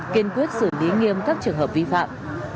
kiên quyết xử lý nghiêm các trường hợp vi phạm